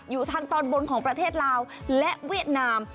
อยู่ทางตอนบนของประเทศลาวและเวียดนาม